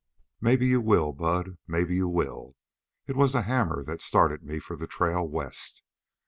"Maybe you will, Bud, maybe you will. It was the hammer that started me for the trail west.